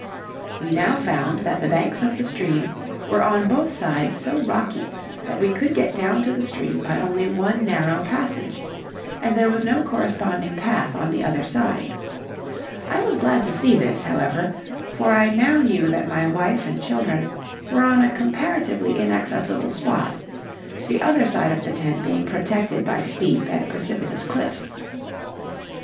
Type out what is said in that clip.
We now found that the banks of the stream were on both sides so rocky that we could get down to the stream by only one narrow passage, and there was no corresponding path on the other side. I was glad to see this, however, for I now knew that my wife and children were on a comparatively inaccessible spot, the other side of the tent being protected by steep and precipitous cliffs.